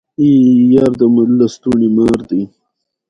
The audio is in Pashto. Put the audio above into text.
د هېواد مرکز د افغانانو د تفریح یوه وسیله ده.